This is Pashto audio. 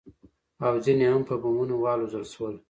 او ځنې هم په بمونو والوزول شول.